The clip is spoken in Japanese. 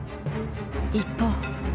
一方。